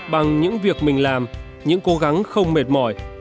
bằng những việc mình làm những cố gắng không mệt mỏi